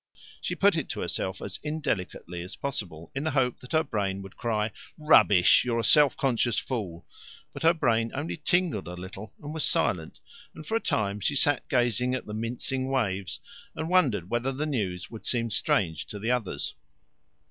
She put it to herself as indelicately as possible, in the hope that her brain would cry, "Rubbish, you're a self conscious fool!" But her brain only tingled a little and was silent, and for a time she sat gazing at the mincing waves, and wondering whether the news would seem strange to the others.